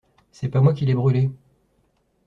C'est pas moi qui l'ai brûlée.